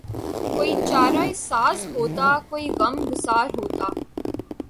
کوئی چارہ ساز ہوتا کوئی غم گسار ہوتا